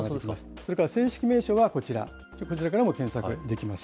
それから正式名称はこちら、こちらからも検索できます。